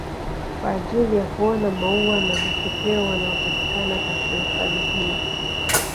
Kwa ajili ya kuona maua na vipepeo wanaopatikana katika hifadhi hii